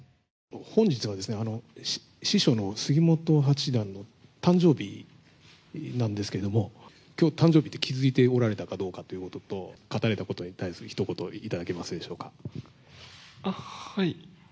本日は師匠の杉本八段の誕生日なんですけれども、きょう、誕生日って気付いておられたかということと勝たれたことに対するひと言、頂けますでしょうか。